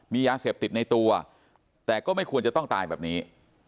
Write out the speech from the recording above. มียาเสพติดในตัวแต่ก็ไม่ควรจะต้องตายแบบนี้